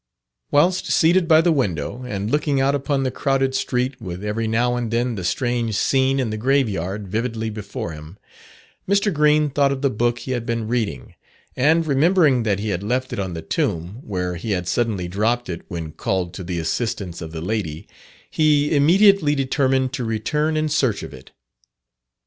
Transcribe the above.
Whilst seated by the window, and looking out upon the crowded street, with every now and then the strange scene in the grave yard vividly before him, Mr. Green thought of the book he had been reading, and, remembering that he had left it on the tomb, where he had suddenly dropped it when called to the assistance of the lady, he immediately determined to return in search of it.